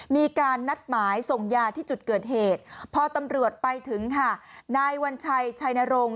มีการนัดหมายส่งยาที่จุดเกิดเหตุพอตำรวจไปถึงค่ะนายวัญชัยชัยนรงค์